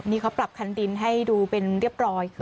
นี่เขาปรับคันดินให้ดูเป็นเรียบร้อย